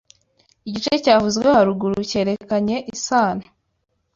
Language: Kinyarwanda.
Igice cyavuzwe haruguru cyerekanye isano